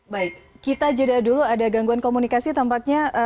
baik kita jeda dulu ada gangguan komunikasi tampaknya